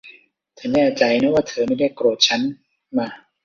เธอแน่ใจนะว่าเธอไม่ได้โกรธฉัน มา